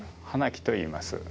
花木といいます。